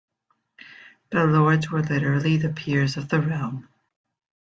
The Lords were literally the peers of the realm.